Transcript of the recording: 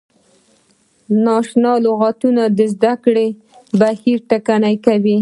نا اشنا لغتونه د زده کړې بهیر ټکنی کوي.